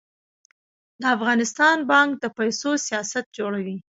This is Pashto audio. د افغانستان بانک د پیسو سیاست جوړوي